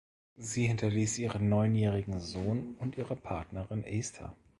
Sie hinterließ ihren neunjährigen Sohn und ihre Partnerin Esther.